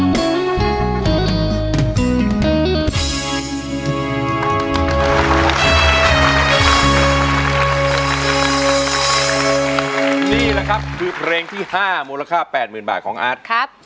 นี่แหละครับคือเพลงที่๕มูลค่า๘๐๐๐บาทของอาร์ตครับ